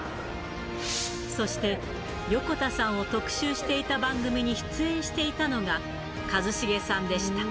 そして横田さんを特集していた番組に出演していたのが、一茂さんでした。